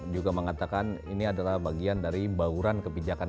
juga mengatakan ini adalah bagian dari bauran kebijakan